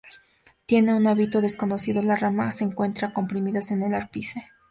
Tiene un hábito desconocido, las ramas se encuentran comprimidas en el ápice.